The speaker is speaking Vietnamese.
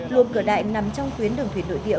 luồng cửa đại nằm trong tuyến đường thủy nội địa